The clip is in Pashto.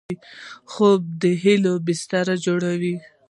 خوب د هیلو بستر جوړوي